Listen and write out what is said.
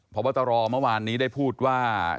พบตรเมื่อวานนี้ได้พูดว่า